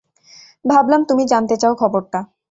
ভাবলাম তুমি জানতে চাও খবরটা।